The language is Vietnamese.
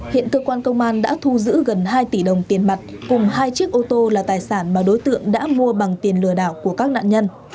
hiện cơ quan công an đã thu giữ gần hai tỷ đồng tiền mặt cùng hai chiếc ô tô là tài sản mà đối tượng đã mua bằng tiền lừa đảo của các nạn nhân